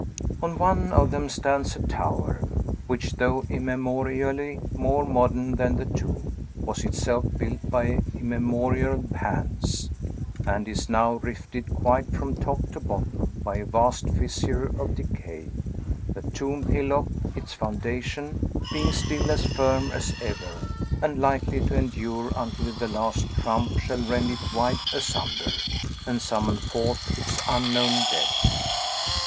On one of them stands a tower, which, though immemorially more modern than the tomb, was itself built by immemorial hands, and is now rifted quite from top to bottom by a vast fissure of decay; the tomb hillock, its foundation, being still as firm as ever, and likely to endure until the last trump shall rend it wide asunder, and summon forth its unknown dead.